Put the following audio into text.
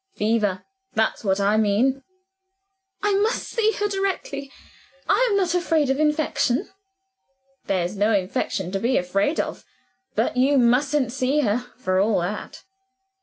"Fever that's what I mean." "I must see her directly; I am not afraid of infection." "There's no infection to be afraid of. But you mustn't see her, for all that."